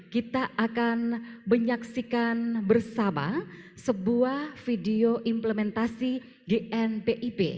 kita akan menyaksikan bersama sebuah video implementasi gnpip